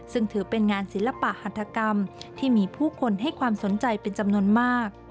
ซึ่งถือเป็นงานศิลปะหัฐกรรมที่มีผู้คนให้ความสนใจเป็นจำนวนมาก